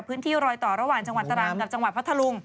พื้นที่รอยต่อระหว่างจังหวัดตรังกับจังหวัดพัทธลุง